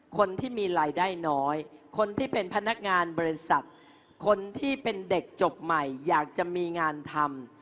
คนที่มีรายได้น้อยคนที่เป็นพนักงานบริษัทคนที่เป็นเด็กจบใหม่อยากจะมีงานทำ